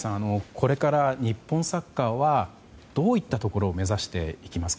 これから日本サッカーはどういったところを目指していきますか？